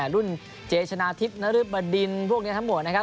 รุ่นเจชนะทิพย์นริบดินพวกนี้ทั้งหมดนะครับ